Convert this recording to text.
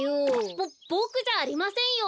ボボクじゃありませんよ！